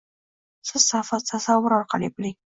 Siz tasavvur orqali biling.